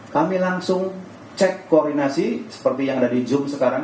kami langsung cek koordinasi seperti yang ada di zoom sekarang